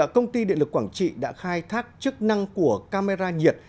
công ty điện lực quảng trị đã khai thác chức năng của camera nhiệt